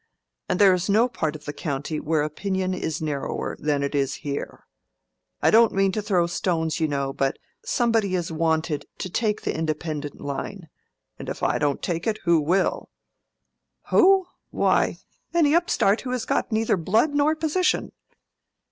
And there is no part of the county where opinion is narrower than it is here—I don't mean to throw stones, you know, but somebody is wanted to take the independent line; and if I don't take it, who will?" "Who? Why, any upstart who has got neither blood nor position.